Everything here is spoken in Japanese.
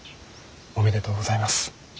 おめでとうございます。